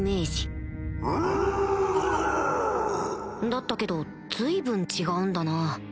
だったけど随分違うんだな